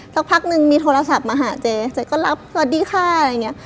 สักพักนึงมีโทรศัพท์มาหาเจ๊เจ๊ก็รับสวัสดีค่ะอะไรอย่างนี้